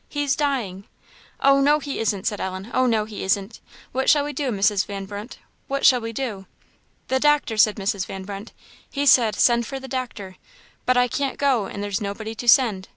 he's dying!" "Oh, no, he isn't," said Ellen "oh, no, he isn't! what shall we do, Mrs. Van Brunt? what shall we do?" "The doctor!" said Mrs. Van Brunt "he said 'send for the doctor;' but I can't go, and there's nobody to send.